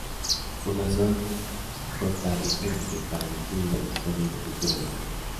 Fundación costarricense para el estudio de la historia y la cultura local.